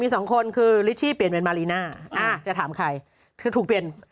ไม่ถูกเปลี่ยนไงใช่ไหมทำไมถูกเปลี่ยน